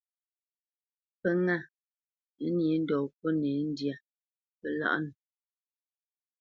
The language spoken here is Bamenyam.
Pə́ ŋâ, á nyě ndɔ̌ ŋkúnɛ̂ ndyá, pə́ láʼnə.